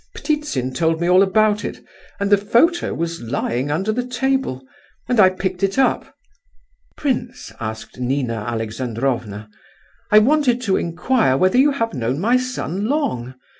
Ptitsin told me all about it; and the photo was lying under the table, and I picked it up." "Prince," asked Nina Alexandrovna, "I wanted to inquire whether you have known my son long?